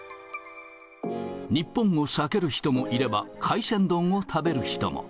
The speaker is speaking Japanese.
日本を避ける人もいれば、海鮮丼を食べる人も。